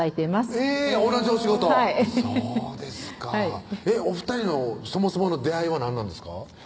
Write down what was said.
えぇ同じお仕事はいそうですかお２人のそもそもの出会いは何なんですか？